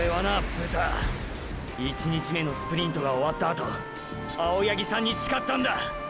ブタ１日目のスプリントが終わったあと青八木さんに誓ったんだ！